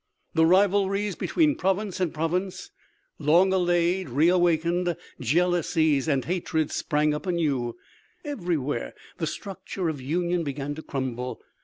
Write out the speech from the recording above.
The rivalries between province and province, long allayed, re awakened; jealousies and hatreds sprang up anew; everywhere the structure of union began to crumble.